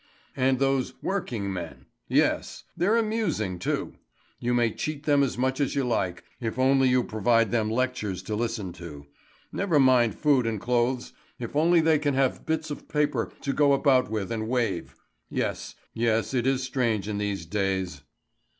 "And those 'working men' yes. They're amusing too. You may cheat them as much as you like, if only you provide them lectures to listen to. Never mind food and clothes, if only they can have bits of paper to go about with and wave. Yes, it is strange in these days."